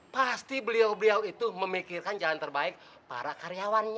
pasti beliau beliau itu memikirkan jalan terbaik para karyawannya